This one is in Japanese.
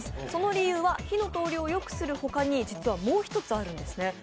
その理由は、火の通りをよくする他にもう１つあるんですね。